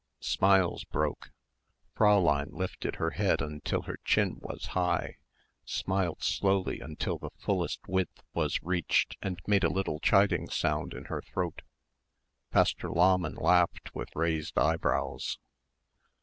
Smiles broke. Fräulein lifted her head until her chin was high, smiled slowly until the fullest width was reached and made a little chiding sound in her throat. Pastor Lahmann laughed with raised eyebrows.